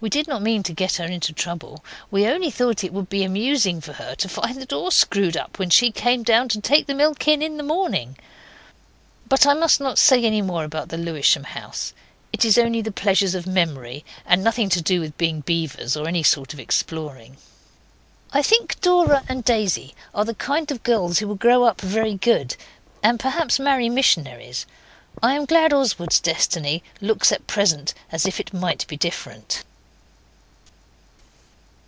We did not mean to get her into trouble. We only thought it would be amusing for her to find the door screwed up when she came down to take in the milk in the morning. But I must not say any more about the Lewisham house. It is only the pleasures of memory, and nothing to do with being beavers, or any sort of exploring. I think Dora and Daisy are the kind of girls who will grow up very good, and perhaps marry missionaries. I am glad Oswald's destiny looks at present as if it might be different.